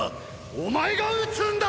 お前が討つんだ！！